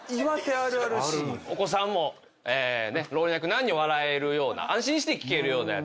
お子さんも老若男女笑えるような安心して聞けるようなやつを。